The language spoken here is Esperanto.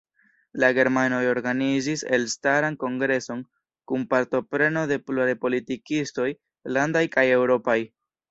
La germanoj organizis elstaran kongreson kun partopreno de pluraj politikistoj, landaj kaj eŭropaj.